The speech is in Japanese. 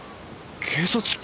警察って。